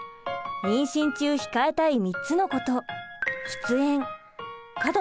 妊娠中控えたい３つのこと。